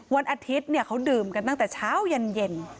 วันอาทิตย์เขาดื่มกันตั้งแต่เช้าเย็น